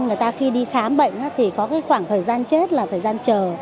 người ta khi đi khám bệnh thì có cái khoảng thời gian chết là thời gian chờ